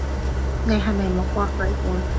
你係咪冇駁水管？